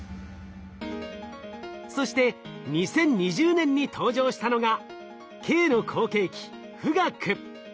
そして２０２０年に登場したのが京の後継機富岳。